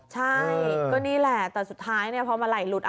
ใช่ก็นี่แหละแต่สุดท้ายพอมาไหลหลุด